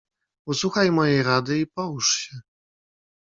"Usłuchaj mojej rady i połóż się."